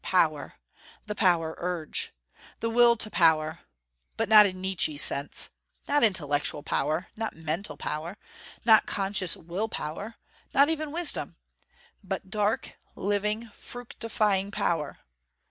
Power the power urge. The will to power but not in Nietzsche's sense. Not intellectual power. Not mental power. Not conscious will power. Not even wisdom. But dark, living, fructifying power.